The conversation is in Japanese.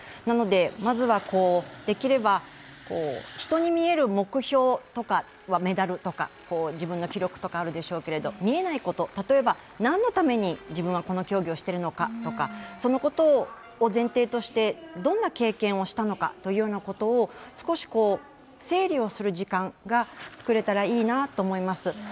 なので、まずは、できれば人に見える目標とかはメダルとか自分の記録とかあるでしょうけれど見えないこと、例えば何のために自分はこの競技をしているのかとか、そのことを前提としてどんな経験をしたのかということを少し整理をする時間が作れたらいいなと思います。